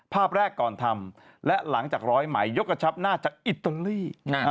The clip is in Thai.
ภาพแรกก่อนทำและหลังจากร้อยไหมยกกระชับหน้าจากอิตาลี